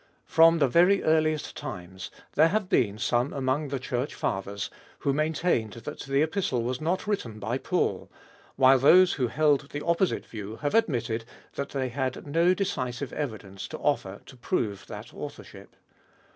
From the very earliest times there have been some among the Church Fathers who maintained that the Epistle was not written by Paul, while those who held the opposite view have admitted that they had no decisive evidence to offer to prove that authorship.